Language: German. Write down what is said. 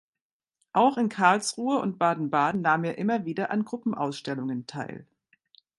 Auch in Karlsruhe und Baden-Baden nahm er immer wieder an Gruppenausstellungen teil.